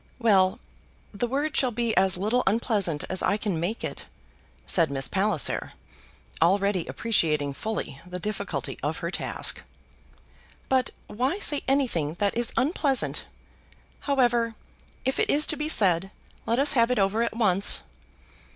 "Well, the word shall be as little unpleasant as I can make it," said Miss Palliser, already appreciating fully the difficulty of her task. "But why say anything that is unpleasant? However, if it is to be said, let us have it over at once."